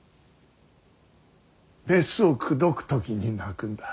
メスを口説く時に鳴くんだ。